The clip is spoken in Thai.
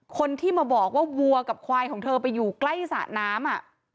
คนที่มาบอกว่าวัวกับควายของเธอไปอยู่ใกล้สระน้ำ